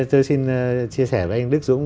tôi xin chia sẻ với anh đức dũng